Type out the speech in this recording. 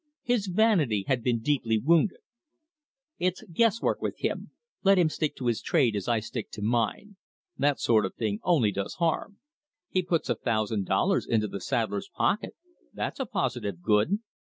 His vanity had been deeply wounded. "It's guesswork with him. Let him stick to his trade as I stick to mine. That sort of thing only does harm." "He puts a thousand dollars into the saddler's pocket: that's a positive good.